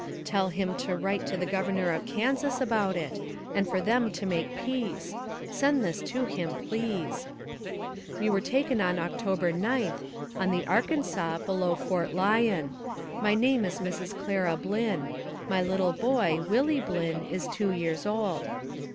"Tell him to write to the Governor of Kansas about it, and for them to make peace. Send this to him, please. " We were taken on October 9th, on the Arkansas, below Fort Lyon. My name is Mrs. Clara Blynn. My little boy, Willie Blynn, is two years old.